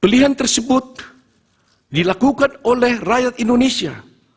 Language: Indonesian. pilihan tersebut dilakukan oleh rakyat indonesia